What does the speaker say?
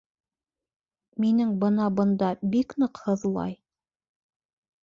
Минең бына бында бик ныҡ һыҙлай